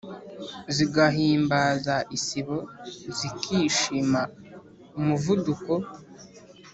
zigahimbaza isibo: zikishima umuvuduko